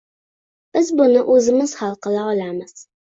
Biz buni o'zimiz hal qila olamiz.